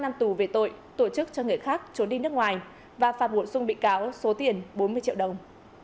ba năm tù về tội tổ chức cho người khác trốn đi nước ngoài và phạt bổ sung bị cáo số tiền bốn mươi triệu đồng